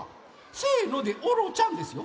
「せの」で「オロちゃん」ですよ。